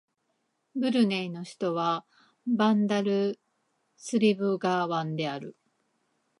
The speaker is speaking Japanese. ブルネイの首都はバンダルスリブガワンである